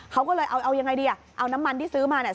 เขาก็เลยเอายังไงดีอ่ะเอาน้ำมันที่ซื้อมาเนี่ย